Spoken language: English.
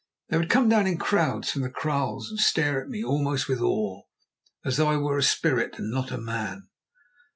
They would come down in crowds from the kraals and stare at me almost with awe, as though I were a spirit and not a man.